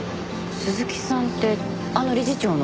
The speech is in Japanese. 鈴木さんってあの理事長の？